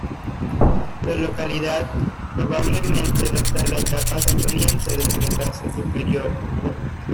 La localidad probablemente data de la etapa Santoniense del Cretácico Superior.